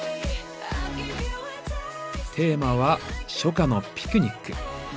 テーマは「初夏のピクニック」。